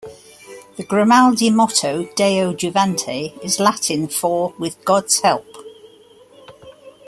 The Grimaldi motto, "Deo Juvante", is Latin for "With God's help".